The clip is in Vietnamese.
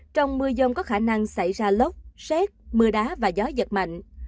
trong mưa dông có khả năng xảy ra lốc xét mưa đá và gió giật mạnh